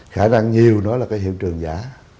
khả năng nhiều nó là cái hiện trường giả